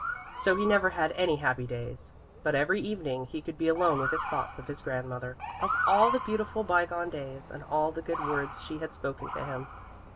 So he never had any happy days. But every evening he could be alone with his thoughts of his grandmother, of all the beautiful bygone days and all the good words she had spoken to him.